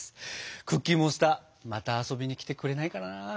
クッキーモンスターまた遊びに来てくれないかな。